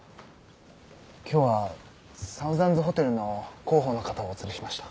今日はサウザンズホテルの広報の方をお連れしました。